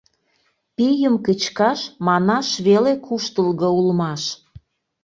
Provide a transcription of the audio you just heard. Пийым кычкаш — манаш веле куштылго улмаш.